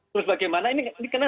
terus bagaimana ini